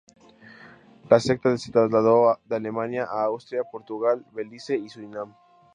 La secta se trasladó de Alemania a Austria, Portugal, Belice y Surinam.